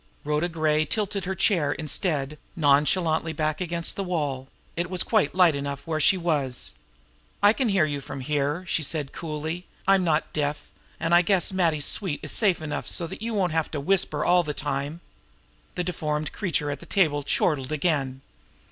Rhoda Gray tilted her chair, instead, nonchalantly back against the wall it was quite light enough where she was! "I can hear you from here," she said coolly. "I'm not deaf, and I guess Matty's suite is safe enough so that you won't have to whisper all the time!" The deformed creature at the table chortled again.